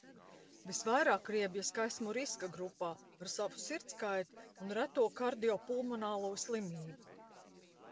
Visvairāk riebjas, ka esmu riska grupā ar savu sirdskaiti un reto kardiopulmonālo slimību.